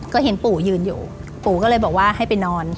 ก็เห็นปู่ยืนอยู่ปู่ก็เลยบอกว่าให้ไปนอน